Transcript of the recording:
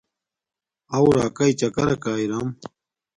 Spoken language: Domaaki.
او راکاݵ چکراکا ارم